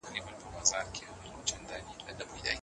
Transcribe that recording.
د مورنۍ ژبې وده د ټولنې پرمختګ دی.